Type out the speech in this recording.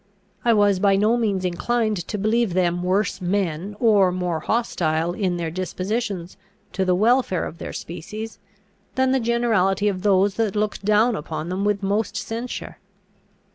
I was by no means inclined to believe them worse men, or more hostile in their dispositions to the welfare of their species, than the generality of those that look down upon them with most censure.